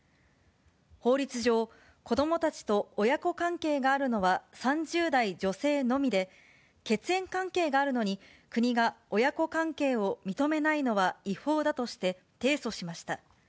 法律上、子どもたちと親子関係があるのは３０代女性のみで、血縁関係があるのに、国が親子関係を認めないのは違法だとして提訴しました。